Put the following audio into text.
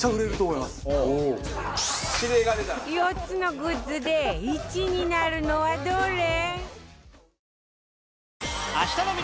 ４つのグッズで１位になるのはどれ？